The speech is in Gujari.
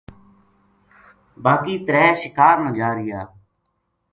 باقی ترے شِکار نا جا رہیا